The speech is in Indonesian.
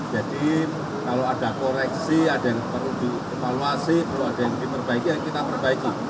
jadi kalau ada koreksi ada yang perlu dikevaluasi kalau ada yang diperbaiki kita perbaiki